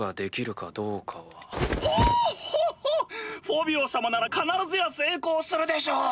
フォビオ様なら必ずや成功するでしょう！